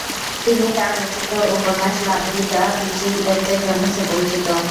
তিনি তার রচিত উপন্যাস লাদ্রি দি বিচিক্লেত্তের জন্য সুপরিচিত।